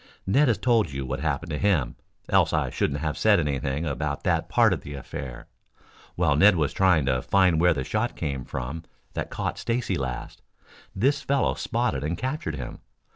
Ned has told you what happened to him, else I shouldn't have said anything about that part of the affair. While Ned was trying to find where the shot came from that caught Stacy last, this fellow spotted and captured him.